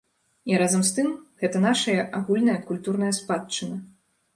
І разам з тым, гэта нашая агульная культурная спадчына.